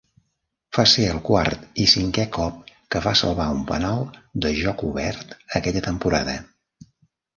Va ser el quart i cinquè cop que va salvar un penal de joc obert aquella temporada.